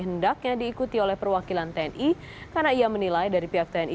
hendaknya diikuti oleh perwakilan tni karena ia menilai dari pihak tni